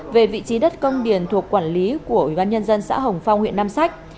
về vị trí đất công điền thuộc quản lý của ubnd xã hồng phong huyện nam sách